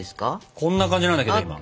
こんな感じなんだけど今。